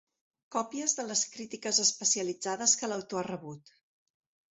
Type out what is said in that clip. Còpies de les crítiques especialitzades que l'autor ha rebut.